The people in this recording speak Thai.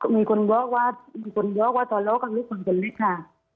มีคนเยอะว่าทะเลาะกับลูกสาวกันเลยค่ะ